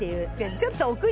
ちょっと。